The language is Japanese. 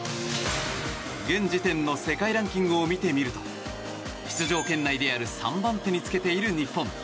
現時点の世界ランキングを見てみると出場圏内である３番手につけている日本。